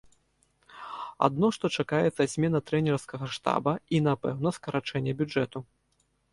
Адно што чакаецца змена трэнерскага штаба і, напэўна, скарачэнне бюджэту.